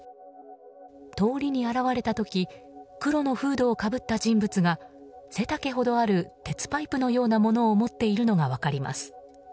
通りに現れた時黒のフードをかぶった人物が背丈ほどある鉄パイプのようなものを持っているのが分かります。